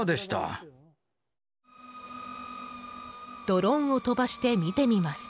ドローンを飛ばして見てみます。